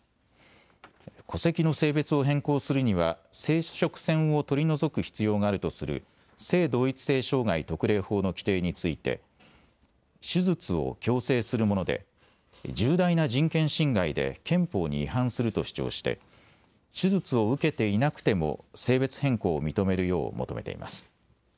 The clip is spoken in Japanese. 戸籍の性別を変更するには生殖腺を取り除く必要があるとする性同一性障害特例法の規定について手術を強制するもので重大な人権侵害で憲法に違反すると主張して手術を受けていなくても性別変更を認めるよう求めています。